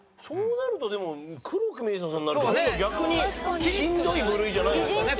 そうなるとでも黒木メイサさんなんかね逆にしんどい部類じゃないんですか？